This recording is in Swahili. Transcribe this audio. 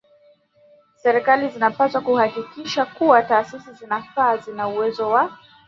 Serikali zinapaswa kuhakikisha kuwa taasisi zinazofaa zina uwezo wa